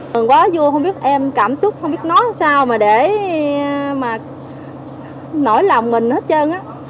mình quá vui không biết em cảm xúc không biết nói sao mà để mà nổi lòng mình hết chân á